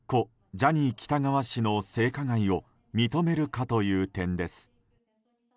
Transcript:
ジャニー喜多川氏の性加害を認めるかという点です。